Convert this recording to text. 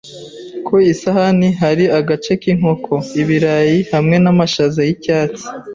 Ku isahani hari agace k'inkoko, ibirayi hamwe n'amashaza y'icyatsi.